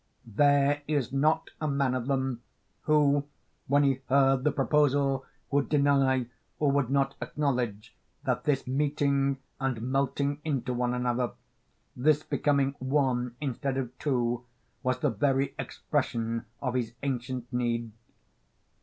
there is not a man of them who when he heard the proposal would deny or would not acknowledge that this meeting and melting into one another, this becoming one instead of two, was the very expression of his ancient need (compare Arist.